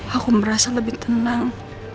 aku merasa lebih tenang